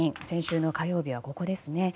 先週の火曜日はここです。